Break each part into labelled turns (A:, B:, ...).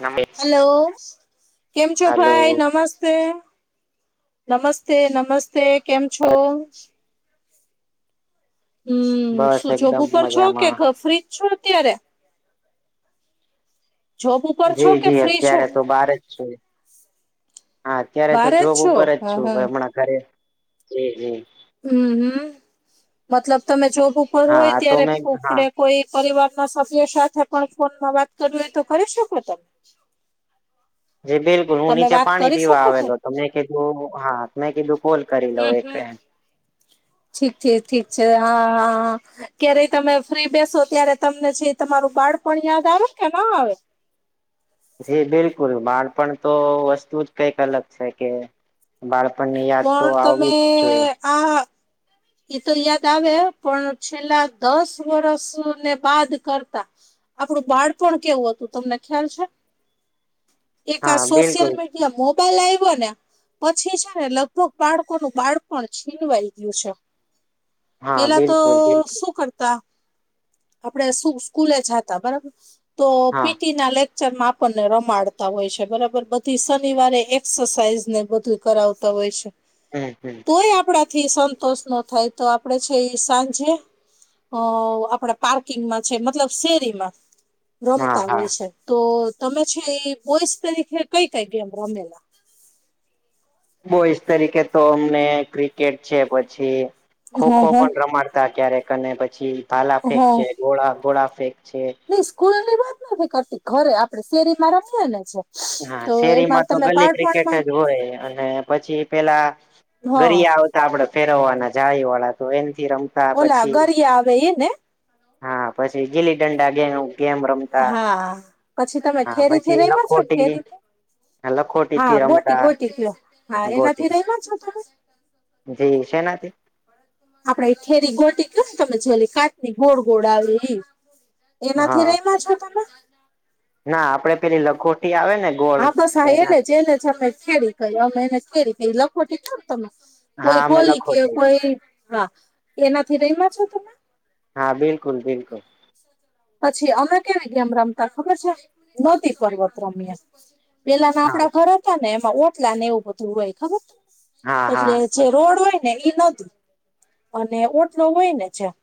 A: નમમે
B: hello કેમ છો ભાઈ નમસ્તે નમસ્તે નમસ્તે કેમ છો હમ
A: બસ
B: શું છો
A: એકદમ
B: બુકર છો કે
A: મજામાં
B: ફ્રીજ છો અત્યારે જોબ ઉપર છો
A: જી
B: કે
A: જી
B: ફ્રી છો
A: અત્યારે તો બાર જ છે હા અત્યારે તો
B: બારે જ
A: જોબ
B: છો
A: ઉપર જ
B: હમ
A: છું હમણાં ઘરે જ
B: હમ હમ મતલબ તમે જોબ ઉપર હોય
A: હા તો
B: ત્યારે
A: મેં હા
B: ફફડે કોઈ પરિવારના સભ્ય સાથે પણ ફોનમાં વાત કરવી હોય તો કરી શકો તમે
A: જી બિલકુલ હું
B: તમે
A: નીચે
B: વાત
A: પાણી
B: કરી
A: પીવા
B: શકો છો
A: આવેલો તો મેં કીધું હા મેં કીધું કોલ કરી લઉ
B: હમ હમ
A: એકે
B: ઠીક છે ઠીક છે હા હા હા ક્યારેય તમે ફ્રી બેસો ત્યારે તમને છે તમારું બાળપણ યાદ આવે કે ના આવે
A: જી બિલકુલ બાળપણ તો વસ્તુ જ કઈક અલગ છે કે બાળપણની યાદ તો
B: પણ
A: આવવી જ જોઈએ
B: આ હ ઇ તો યાદ આવે પણ છેલ્લા દસ વરસ ને બાદ કરતા આપડું બાળપણ કેવું હતું તમને ખ્યાલ છે? એક આ
A: હા
B: સોશિયલ
A: બિલકુલ
B: મીડિયા મોબાઈલ આયવો ને પછી છે ને લગ ભગ બાળકોનું બાળપણ છીનવાઈ ગીયું છે.
A: હા
B: પેલા તો
A: બિલકુલ બિલકુલ
B: શું કરતા આપડે શુક સ્કૂલે જાતા બરાબર તો
A: હા
B: પીટી ના લેક ચરમાં આપણને રમાડતા હોય છે બરાબર બધી શનિવારે એક્સસાઇઝ ને બધું કરાવતા હોય છે. [inaudible]
A: હું હું
B: કોઈ આપડાથી સંતોષ ન થાય તો આપડે છે ઇ સાંજે અ આપડા પાર્કિંગમાં છે મતલબ શેરીમાં
A: હા
B: રમતા
A: હા
B: હોય છે તો તમે છે એ બોઇસ તરીકે કઈ કઈ ગેમ રમેલા
A: બોઈસ તરીકે તો અમે ક્રિકેટ છે પછી
B: હા
A: ખોખો
B: હા
A: પણ રમાડતા ક્યારેક અને પછી ભાલા ફેક
B: હા
A: છે ગોળા ગોળા ફેંક છે
B: નઈ સ્કૂલની વાત નથી કરતી ઘરે આપડે શેરીમાં રમીએ ને છે
A: હા
B: તો એમાં
A: શેરીમાં તો
B: તમે
A: ગલી ક્રિકેટ
B: બાળપણમાં
A: જ હોય અને પછી પેલા
B: હા
A: ઘરી યાવ તા આપડે ફેરવવાના જાય વોળા તો એનથી રમતા
B: ઓલા
A: પછી
B: ગરિયા આવે એ ને
A: હા પછી ગીલી ડંડા ગેવ ગેમ રમ
B: હા પછી તમે ખેરી થી રયમાં છે
A: લખોટી
B: ખેરી થી
A: લખોટી
B: હા
A: થી
B: ગોટી
A: રમતા
B: ગોટી ગયો હા
A: ગોટી
B: એનાથી રયમાં છો તમે
A: જી શેનાથી
B: આપડે એ ખેરી ગોટી કયો ને તમે છેલી કાચની ગોળ ગોળ આવે ઈ એનાથી
A: હા
B: રયમાં છો તમે
A: ના આપડે પેલી લખોટી આવે ને ગોળ
B: હા બસા
A: એના
B: એને જ એને જ અમે ખેડી કઇએ અમે એને ખેડી કઇએ લખોટી કો ને તમે
A: હા
B: કોઈ
A: અમે
B: ગોલી કે
A: લખોટી
B: કોઈ હા એનાથી રયમાં છો તમે
A: હા બિલકુલ બિલકુલ
B: પછી અમે કેવી ગેમ રમતા ખબર છે નદી પર્વત રમીએ પેલાના
A: હા
B: આપડા ઘર હતા ને એમાં ઓટલા ને એવું બધું હોય ખબર છે
A: હા હા
B: એટલે જે રોડ હોય ને ઈ નોતું અને ઓટલો હોય ને જ્યાં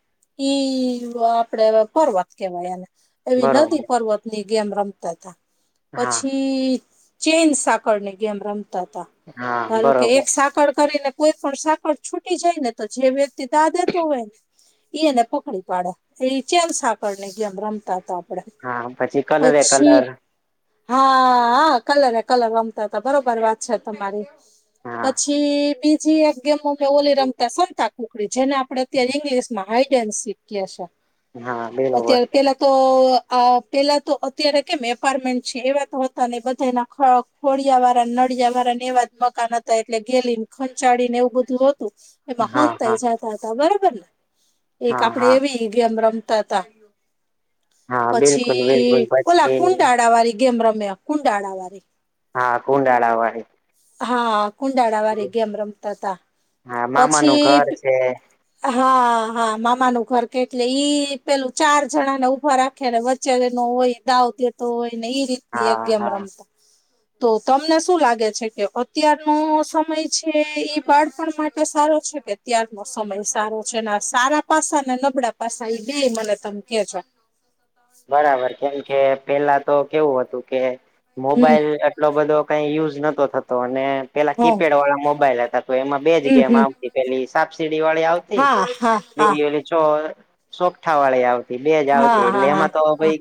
B: ઈ અ આપડે પર્વત કેવાય એમ એવી
A: બરોબર
B: નદી પર્વત ની ગેમ રમતા તા
A: હા
B: પછી ચેન સાકળ ની ગેમ રમતા તા
A: હા
B: ધારો કે એક
A: બરોબર
B: સાકળ કરેને કોઈ પણ સાકળ છૂટી જાય ને તો જે વ્યક્તિ દા દેતો હોય ઈ એને પકડી પાડે એઈ ચેમ સાકળ ની ગેમ રમતા તા
A: હા પછી કલરે કલર
B: હા કલરે કલર રમતા તા બરોબર વાત છે તમારી
A: હા
B: પછી બીત છી એક ગેમ અમે ઓલી રમતા સંતા કુકડી જેને આપડે અત્યારે ઇંગ્લિશમાં હાઈડેન્સિક કે સે
A: હા બરોબર
B: અત્યારે પેલા તો અ પેલા તો અત્યારે કેમ એપાર્ટમેન્ટ છે એવા તો હતા નય બધા એના ખળક ખોળિયા વારા નળિયા વારાને એવા જ મકાન હતા એટલે ગેલીને ખંચાડીને એવું બધું હો. એમાં
A: હા હા
B: હોનતાઈ જતા હતા બરાબર ને એક
A: હા
B: આપડે
A: હા
B: એવી ગેમ રમતા હતા
A: હા બિલકુલ બિલકુલ
B: પછી ઓલા
A: પછી
B: કુંડાળા વાળી ગેમ રમ્યા કુંડાળ વાળી
A: હા કુંડાાળવાય
B: હા કુંડાળા વાળી ગેમ રમતા હતા પછી
A: હમ
B: હા હા મામાનું ઘર કેટલે ઈ પેલું ચાર જણા ને ઉભા રાખે ને વચ્ચે ન હોય દ આવતી તો હોય ને એઈ રીત ની એક
A: હા
B: ગેમ
A: હા
B: રમતો તો તમને શું લાગે છે કે અત્યારનો સમય છે એ બાળપણ માટે સારો છે કે અત્યાર નો સમય સારો છે ને સારા પાસા ને નબળા પાસા એ બે મને તમે કેજો
A: બરાબર કેમ કે પેલા તો કેવું હતું કે
B: હમ
A: મોબાઈલ એટલો બધો કઈ યુઝ નતોો થતો અને પેલા
B: હ
A: કીપેડ વાળા મોબાઈલ હતા તો એમાં બે જ
B: હમ
A: ગેમ
B: હમ
A: પેલી સાપસીડી વાળી આવતી
B: હા હા હા
A: બી ચો સોકઠા વાળી આવતી બે જ
B: હા
A: આવતી એટલે
B: હા હા
A: એમાં તો
B: હા
A: ભઈ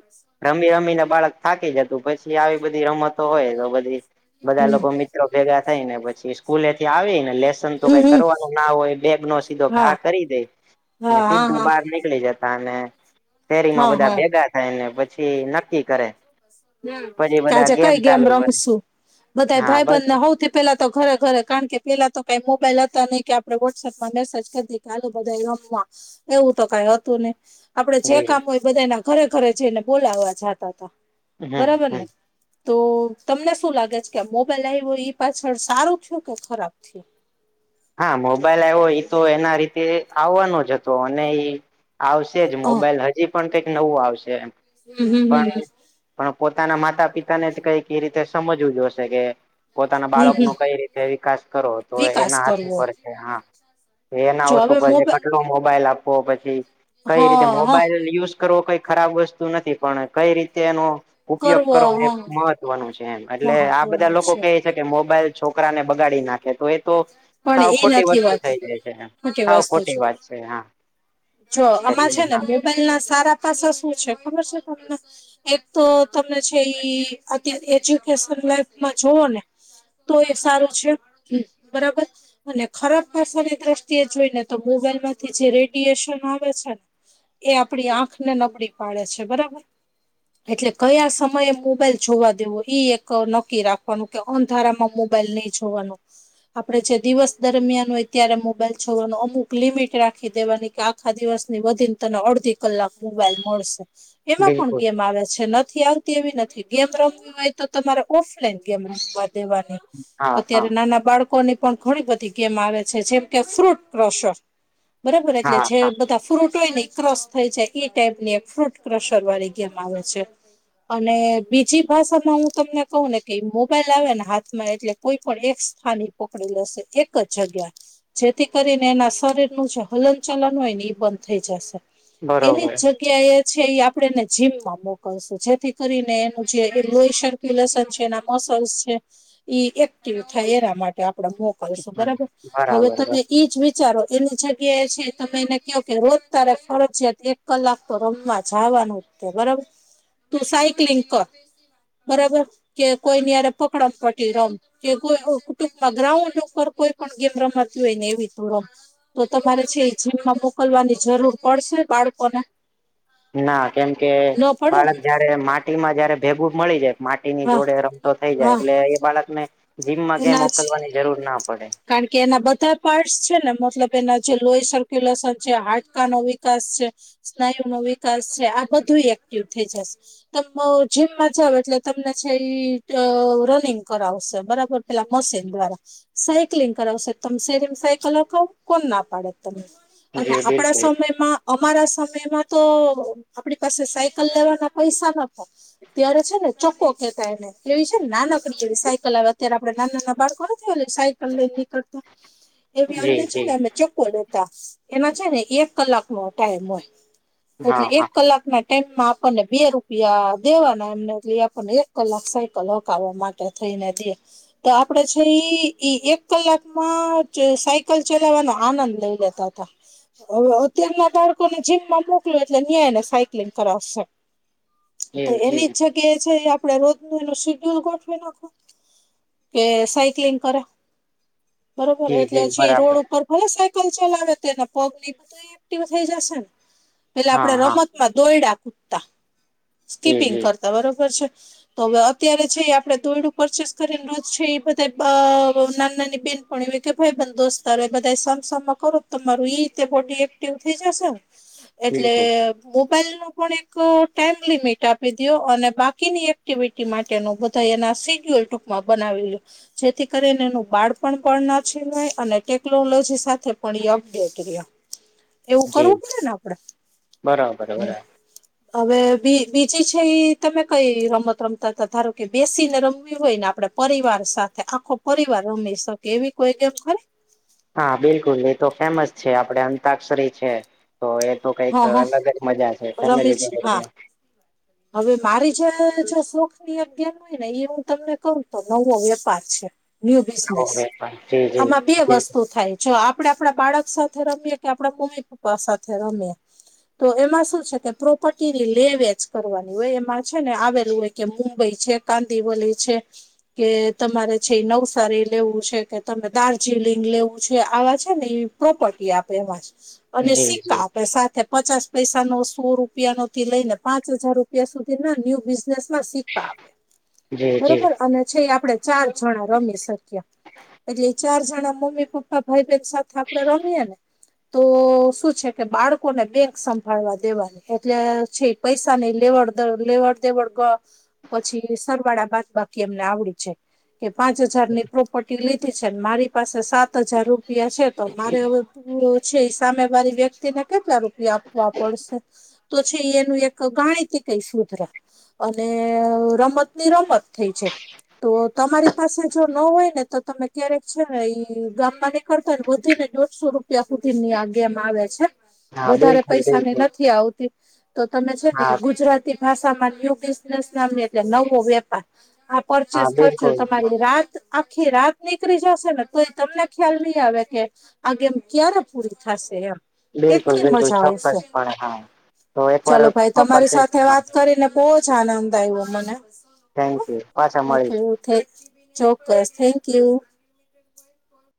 A: રમી રમીને બાળક થાકી જતું પછી આવી બધી રમતો હોય તો બધી બધા
B: હમ
A: લોકો મિત્રો ભેગા થઈ ને પછી સ્કૂલેથી આવી ને લેસન તો
B: હમ
A: કઈ
B: હમ
A: કરવાનું ના હોય બેગ નો સીધો ઘા
B: હા
A: કરી દે
B: હા હા
A: સીધો
B: હા
A: બાર ન જતા અને શેરીમાં
B: હા
A: બધા
B: હા
A: ભેગા થાયને પછી નક્કી કરે પછી બધા
B: કેજા
A: ગેમ
B: કઈ ગયામ
A: ચાલુ કરે
B: રમશું બધા
A: હા બસ
B: ભાઈબંધને હોઉ પેલા તો ઘરે ઘરે કારણ કે પેલા તો કઈ મોબાઈલ હતા નહીં કે આપણે વોટ્સએપમાં મેસેજ કરી ચાલું બધા રમવા એવું તો કઈ હતું નને આપડે જે
A: જી
B: કામ હોય બધા એના ઘરે ઘરે જઈને બોલાવા જાતા હતા
A: હમ
B: બરાબર
A: હમ
B: ને તો તમને શું લાગે છે કે મોબાઈલ આવ્યો પાછળ સારું થયું કે ખરાબ થયું
A: હા મોબાઈલ આવ્યો એ તો એના રીતે આવવાનો જ હતો અને એ આવશે જ
B: હ
A: મોબાઈલ હજી પણ કઈક નવું આવશે એ
B: હમ હમ હમ હમ
A: પણ પોતાના માતા પિતાને જ કઈક એ રીતે સમજવું જો હશે કે પોતાના
B: હમ
A: બાળક
B: હમ.
A: નો કઈ રીતે વિકાસ કરો તો
B: વિકાસ
A: એના હાથ
B: કરવો
A: ઉપર હા એના
B: જો
A: આવતું
B: હવે
A: પછી
B: મોબાઈલ
A: કેટલો મોબાઈલ આપવો પછી કઈ રીતે
B: હા હા
A: મોબાઈલ યુઝ કરવો કઈ ખરાબ વસ્તુ નથી પણ કઈ રીતે એનો ઉપયોગ કરવો એ મહત્વનું છે એમ એટલે આ બધા
B: મહત્વનું
A: લોકો ક
B: છે
A: કે મોબાઈલ છોકરા ને બગાડી નાખે તો એ તો
B: પણ
A: સાવ
B: એ
A: ખોટી
B: નથી
A: વસ્તુ
B: વાતું
A: થઈ જાય છે
B: ખોટી
A: સાવ
B: વાસ્તુ છ
A: વાત છે હા
B: જો આમાં
A: એટલે
B: છે ને
A: હા
B: મોબાઈલ ના સારા પાસા શું છે ખબર છે તમને એક તો તમને છે ઈ અત્યારે એજ્યુકેશન લાઈફમાં જોુવ ને તો એ સારું છે બરાબર અને ખરાબ ભાષાની દ્રષ્ટિએ જોઈ ને તો મોબાઈલમાંથી જે રેડિએેશન આવે છે ને એ આપડી આંખને નબળી પાડે છે બરાબર એટલે કયા સમયે મોબાઈલ જોવા દેવો ઈ એક નક્કી રાખવાનું કે અંધારામાં મોબાઈલ નહી જોવાનું આપડણે જે દિવસ દરમિયાન હોય ત્યારે મોબાઈલ છોવાનું અમુક લિમિટ રાખી દેવાની કે આખા દિવસ ની વધીને તને અડધી કલાક મોબાઈલ મળશે એમાં પણ
A: બિલકુલ
B: કેમ આવે છે નથી આવતી તેવી નથી ગેમ રમવી હોય તો તમારે ઓફલાઈન ગેમ રમવા દેવાની
A: હા હા
B: અત્યારે નાના બાળકોની પણ ઘણી બધી ગેમ આવે છે જેમ કે ફ્રૂટ ક્રોશર બરાબર એટલે
A: હા
B: છે
A: હા
B: બધા ફ્રૂટ હોય ને ક્રોસ થઈ છેાય એ ટાઈપ ની એક ફ્રૂટ ક્રશર વાળી ગેમ આવે છે અને બીજી ભાષામાં હું તમને કહું ને કે મોબાઈલ આવે ને હાથમાં એટલે કોઈ પણ એક સ્થાાન પકડી લેશે એક જ જગ્યા જેથી કરીને એના શરીરનું જે હલન ચલન હોય ને એ બંધ થઈ જશે એની
A: બરોબર
B: જ જગ્યા એ છે એ આપણેેને જીમ માં મોકલશું જેથી કરીને એનું જે લેન છે. એના મસલ્સ છે. એક્ટિવ થાય એના માટે આપ કરશો
A: હા
B: બરાબર
A: બરાબર
B: હવે
A: બરાબર
B: તમે એજ વિચારો એની જગ્યાએ એ છે. તમે એને કહો કે રોજ તારે ફરજિયાત એક કલાક તો રમવા જવાનું બરાબર તું સાયકલિંગ કર બરાબર કે કોઈ નીયારે પકડ પડી રમ કે કોઈ કુટુંબ માં ગ્રાઉન્ડ ઉપર કોઈ પણ ગેમ રમાતી હોય ને એવી થ રમ તો તમારે છે. એ જીમમાં મોકલવાની જરૂર પડશે બાળકોને
A: ના કેમ કે
B: ન પડે ને
A: બાળક જયારે માટી માં જયારે ભેભુ મળી જાય માટીની
B: હા
A: જોડે રમતો થઈ જાય
B: હા
A: એટલે એ બાળકને જીમમાં ક્યા
B: એના જ
A: મોકલવાની જરૂર ના પડે.
B: કારણ કે એના બધા પાર્ટ્સ છે. ને મતલબ એના જે લોય સર્ક્યુલેશન છે. હાડકા નો વિકાસ છે. સ્નાયુ નો વિકાસ છે. આ બધું એક્ટિવ થઈ જશે ત જીમમાં જાવ એટલે તમને છે. ઈ રનિંગ કરાવશે બરાબર એલા મસેન દ્વારા સાયકલિંગ કરાવશે તમ શેરીમ સાયકલ ઓખાવ કોણ ના પાડે તમને અને
A: જી
B: આપણા
A: બિલકુલ
B: સમયમાં અમારા સમયમાં તો આપણી પાસે સાયકલ લેવાના પૈસા નફ ત્યારે છે. ને ચોક્્કોો કહેતા એને એવી છે. ને નાનકડી એવી સાયકલ આવે અત્યારે આપડે નાના નાના બાળકો ના થયો સાયકલ લઈ નીકળતા એવી અમને
A: જી
B: છે.
A: જી
B: ને અમે ચોખ્ખો લે એના છે. ને એક કલાક નો ટાઈમ હોય એટલે
A: હા
B: એક
A: હા
B: કલાક ના એમમાં આપણને બે રૂપિયા દેવાના એમને એટલે આપણને એક કલાક સાયકલ હકાવવા માંગે થઈને જીએ તો આપડે છે. એ ઈ એક કલાકમાં સાયકલ ચલાવવાનો આનંદ લઇ લેતા હતા ત્યના બાળકો ને જીમમાં મોકલ એટલે ન્યાયને સાયક્લિંગ કરાવશે તો
A: જી
B: એની
A: જી
B: ઈચ્છા છે. આપડે રોજ ન એનું શેડ્યુલ ગોઠવી નાખું કે સાયક્લિંગ કરે બરોબર
A: જી
B: એટલે
A: જી
B: પછી
A: બરાબર
B: રોડ ઉપર ભલે સાયકલ ચલાવે તો એના પગ ની બધ એક્ટિવ થઈ જશે ને એટલે
A: હા
B: આપણે
A: હા
B: રમતમાં દોયડા કૂદતા
A: જી
B: સ્કીપિંગ
A: જી
B: કરતા બરોબર છે. તો હવે અત્યારે છે. આપડે તોયડું પરચેસ કરેલું છે. એ બધા નાના નાની બેહેન પણ એવી કે ભાઈ બ દોસ્તારો બધા સમસમમાં કરો તમારું એ રીતે પોટી થઈ જશે એટલે
A: બિલકુલ
B: મોબાઈલ નો પણ એક ટાઈમ લિમિટ આપી દો અને બાકીની એક્ટિવિટી માટે બધા એના સડ્યલ ટૂંકમાં બનાવી લ જેથી કરીને એનું બાળ પણ પણ નથી અને ટેકનોલોજી સાથે પણ એ અપડેટ રહ્યો એવું
A: જી
B: કરવું પડેને આપડે
A: બરાબર બરાબર
B: હ હવે બીજી છે. એ તમે કઈ રમત રમતા હતા ધારો કે બેસી ને રમવી હોય ને આપડે પરિવાર સાથે આખો પરિવાર રમી શકે એવી કોઈ ગમ ખરી
A: હા બિલકુલ એ તો ફેમસ છે. આપડે અંતાક્ષરી છે. તો એ તો કઈક
B: હા હા.
A: અલગ જ મજા છે.
B: રમી
A: ફેમિલી
B: છે હા હવે મારી જે શોખ ની એક ગેમ હોય ને એ હું તમને કું તો નવો વેપાર છે. ન્યુ બિઝનેસ
A: જી
B: આમાં બે
A: જી
B: વસ્તુ થાય! જો આપડે આપણા બાળક સાથે રમીએ કે આપણા મમ્મી પપ્પા સાથે રમીએ તો એમાં શું છે. કે પ્રોપર્ટીની લે વેચ કરવાની હોય એમાં છે. ને આવેલું હોય કે મુંબઈ છે. કાંદિવલી છે. કે તમારે છે. એ નવસારી લેવું છે. કે તમે દાર્જિલિંગ લેવું છે. આવા છે. ને એ પ્રોપર્ટી આપે એમાં અને
A: જી
B: સિક્કા
A: જી
B: આપે પચાસ પૈસા નો સો રૂપિયા નોથી લઈ ને પાંચ હજાર રૂપિયા સુધી ના ન્યુ બઝ સિક્કા આપે
A: જી જી
B: બરોબર અને છે. આપણે ચાર જણા રમી શકીએ એટલે ચાર જણા મમ્મી પપ્પા ભાઈ બહેન સાથે આપડે રમીએે ને તો શું છે. કે બાળક કોને બેંક સંભાળવા દેવાની એટલે છે પૈસા ની લેવડ દે લેવડ દેવડ ગ પછી સરવાળા બાદ બાકી અમને આવડે છે. કે પાંચ હજાર ની પ્રોપર્ટી લીધી છેન મારી પાસે સાત હજાર રૂપ પિયા છે તો મારે હવે પ [unintelligible] છે સામે વારી વ્યક્તિ ને કેટલા રૂપિયા આપવા પડશે તો છે એનું એક ગણિત કઈ સુધરે. અને રમત ની રમત થઈ છે તો તમારી પાસે જો ન હોય ને તો તમે ક્યારેક છે ને ઈ ગામમાં નીકળતા હો ને વધી ને દોઢસો રૂપ ત્યા પૂરતી ની આ ગેમ આવે છે.
A: હા
B: વધારે
A: બિલકુલ
B: પૈસાની
A: બિલકુલ
B: નથી આવતી. તો તમે છે ને
A: હા
B: ગુજરાત તી ભાષામાં ન્યુ બિઝનેસ નામની એટલે નવો વેપાર આ
A: હા
B: પરચેસ ખર્ચો
A: બિલકુલ
B: તમારી રાત આખી રાત નીકળી જશે ને તોય તમને ખ્યાલ નહી આવે કે. આ ગેમ ક્યારે પૂરી થશે એમ.
A: બિલકુલ
B: એટલી
A: બિલકુલ
B: મજા આવશે.
A: ચોક્કસપણે હા તો એકવાર
B: ચલો, ભાઈ તમારી
A: પરચેસ.
B: સાથે વાત કરીને બોજ આનંદ આવ્યો મને
A: થેન્ક યુ પાછા મળીશું
B: [unintelligible] ઓકે. ચોક્કસ થેન્ક યુ.